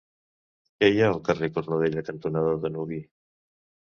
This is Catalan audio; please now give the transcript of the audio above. Què hi ha al carrer Cornudella cantonada Danubi?